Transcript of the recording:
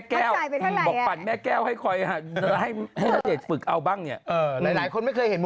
กินมาให้อย่างนั้นไหม